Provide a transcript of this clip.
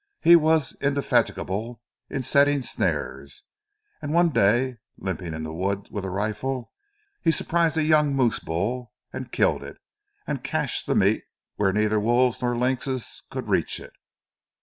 He was indefatigable in setting snares, and one day, limping in the wood with a rifle, he surprised a young moose bull and killed it, and cached the meat where neither the wolves nor the lynxes could reach it.